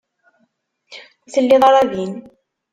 Ur telliḍ ara din.